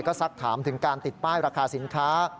ก็สักถามถึงการติดป้ายราคาสินค้า